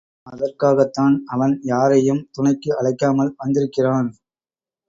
அதற்காகத்தான் அவன் யாரையும் துணைக்கு அழைக்காமல் வந்திருக்கிறான்.